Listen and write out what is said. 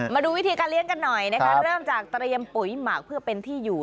มาดูวิธีการเลี้ยงกันหน่อยนะคะเริ่มจากเตรียมปุ๋ยหมากเพื่อเป็นที่อยู่